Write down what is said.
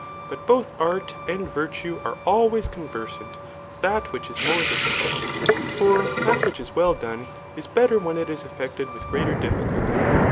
But both art and virtue are always coa veisant with that which is more difficult ; for that which is well done, is better when it is effected with greater difficulty.